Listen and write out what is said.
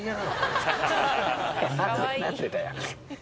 何でだよ。